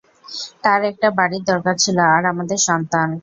তার একটা বাড়ির দরকার ছিলো আর আমাদের সন্তান।